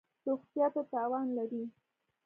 روغتیا ته تاوان لری